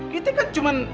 kita kan cuman